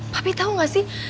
papi tau gak sih